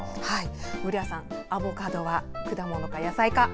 古谷さん、アボカドは果物か野菜か。